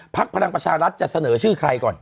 ภัครารังประชาหรัฐจะเสนอชื่อใครก่อน